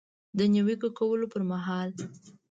د نیوکې کولو پر مهال